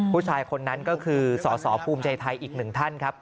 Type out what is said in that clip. ผู้ชายคนนั้นก็คือสสภูมิใจไทยอีกหนึ่งท่านครับ